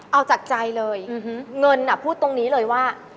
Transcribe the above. เอาจากใจเลยเงินพูดตรงนี้เลยว่า